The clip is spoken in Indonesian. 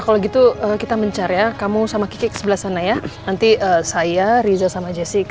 kalau gitu kita mencari ya kamu sama kiki sebelah sana ya nanti saya riza sama jessica